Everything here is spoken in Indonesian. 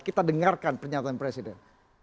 kita dengarkan pernyataan presiden